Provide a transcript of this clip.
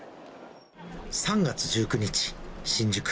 ３月１９日、新宿。